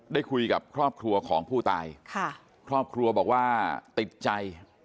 ได้คุยกับครอบครัวของผู้ตายค่ะครอบครัวบอกว่าติดใจ